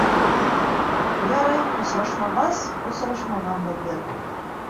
Ярай, осрашмағас, осрашмағанбыҙҙыр.